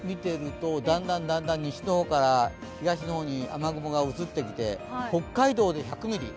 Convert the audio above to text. だんだん西の方から東の方に雨雲が移ってきて北海道で１００ミリ